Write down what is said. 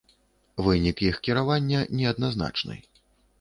Вынік іх кіравання неадназначны.